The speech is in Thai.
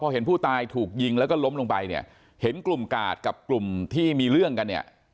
เห็นผู้ตายถูกยิงแล้วก็ล้มลงไปเนี่ยเห็นกลุ่มกาดกับกลุ่มที่มีเรื่องกันเนี่ย